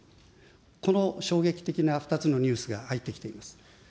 この衝撃的な２つのニュースが入ってきています。